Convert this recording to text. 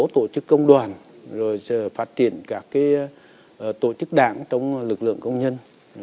tổ chức công đoàn rồi phát triển các tổ chức đảng trong lực lượng công nhân